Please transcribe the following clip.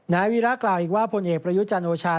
นายวีระกล่าวอีกว่าผลเอกประยุจันทร์โอชา